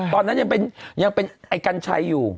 ตอนนั้นยังเป็นไอ้กัญชัยอยู่